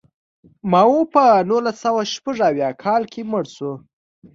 ماوو په نولس سوه شپږ اویا کال کې مړ شو.